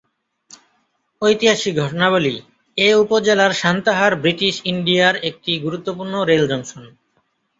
ঐতিহাসিক ঘটনাবলি এ উপজেলার সান্তাহার বৃটিশ ইন্ডিয়ার একটি গুরুত্বপূর্ণ রেলজংশন।